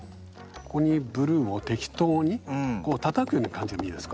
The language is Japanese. ここにブルーを適当にこうたたくような感じでもいいです。